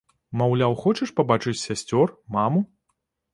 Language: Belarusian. Маўляў, хочаш пабачыць сясцёр, маму?